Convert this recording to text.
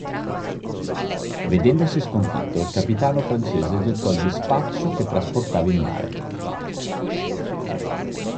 Vedendosi sconfitto, il capitano francese gettò il dispaccio che trasportava in mare.